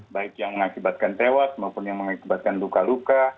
baik yang mengakibatkan tewas maupun yang mengakibatkan luka luka